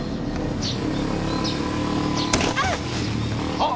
あっ！